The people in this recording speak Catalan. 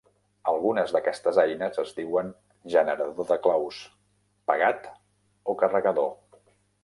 Algunes d'aquestes eines es diuen generador de claus, pegat o carregador.